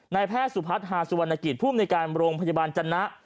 นายแพทย์สุพัฒน์ฮาสุวรรณกิจผู้อำนวยการโรงพยาบาลจันทร์นะ